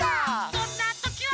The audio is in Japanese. そんなときは！